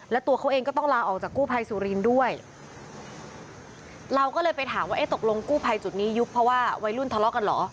แล้วตัวเขาเองก็ต้องลาออกจากกู้ภัยสุรินทร์ด้วยเราก็เลยไปถามว่าเอ๊ะตกลงกู้ภัยจุดนี้ยุบเพราะว่าวัยรุ่นทะเลาะกันเหรอ